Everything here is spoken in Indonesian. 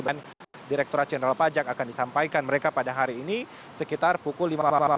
dan direkturat jenderal pajak akan disampaikan mereka pada hari ini sekitar pukul lima belas